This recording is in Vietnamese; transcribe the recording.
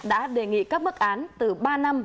đã đề nghị các bức án từ ba năm